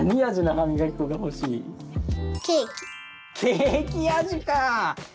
ケーキ味かぁ。